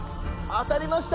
当たりました！